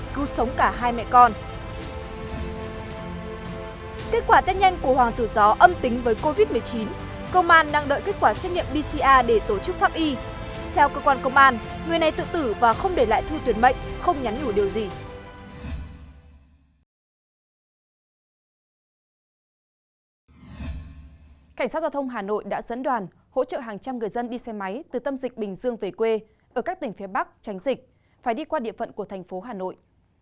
cảnh sát giao thông hà nội đã dẫn đoàn hỗ trợ hàng trăm người dân đi xe máy từ tâm dịch bình dương về quê ở các tỉnh phía bắc tránh dịch phải đi qua địa phận của thành phố hà nội